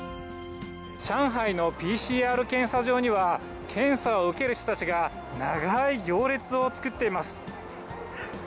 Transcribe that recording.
上海のＰＣＲ検査場には、検査を受ける人たちが、長い行列を作っています。